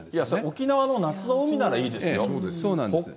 沖縄の夏の海ならいいですよ。